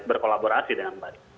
berkolaborasi dengan baik